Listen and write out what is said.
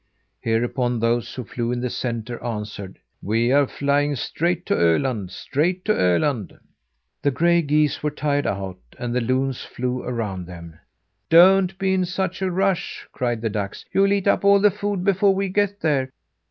Hereupon, those who flew in the centre answered: "We are flying straight to Öland; straight to Öland." The gray geese were tired out, and the loons flew around them. "Don't be in such a rush!" cried the ducks. "You'll eat up all the food before we get there."